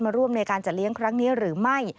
ร่วมในการจัดเลี้ยงครั้งนี้หรือไม่